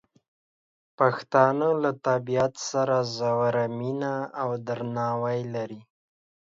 پښتانه له طبیعت سره ژوره مینه او درناوی لري.